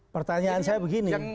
pertanyaan saya begini